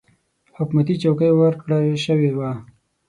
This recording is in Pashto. حکومتي چوکۍ ورکړه شوې وه.